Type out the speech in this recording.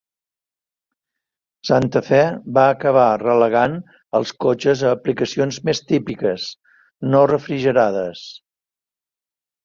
Santa Fe va acabar relegant els cotxes a aplicacions més típiques, no refrigerades.